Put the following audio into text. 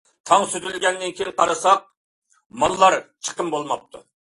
تاڭ سۈزۈلگەندىن كېيىن قارىساق، ماللار چىقىم بولماپتۇ.